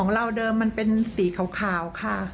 เราเดิมมันเป็นสีขาวค่ะ